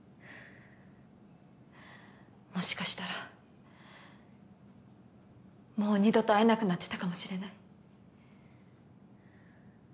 もしかしたらもう二度と会えなくなってたかもしれない。